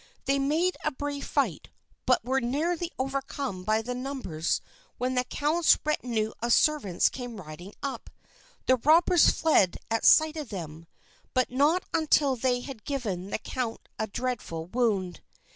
They made a brave fight, but were nearly overcome by numbers when the count's retinue of servants came riding up. The robbers fled at sight of them, but not until they had given the count a dreadful wound.